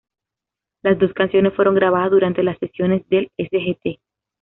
Las dos canciones fueron grabadas durante las sesiones del "Sgt.